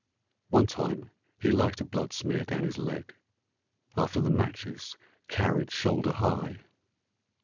One time he liked a bloodsmear down his leg, After the matches carried shoulder high.